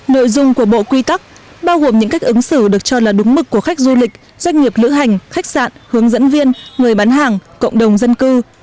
nội dung của bộ quy tắc bao gồm những cách ứng xử được cho là đúng mực của khách du lịch doanh nghiệp lữ hành khách sạn hướng dẫn viên người bán hàng cộng đồng dân cư